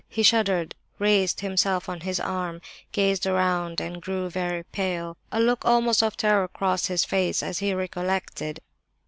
He shuddered, raised himself on his arm, gazed around, and grew very pale. A look almost of terror crossed his face as he recollected.